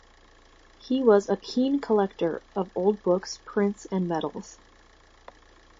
He was a keen collector of old books, prints and medals.